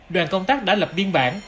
đoàn công tác đã lập biên bản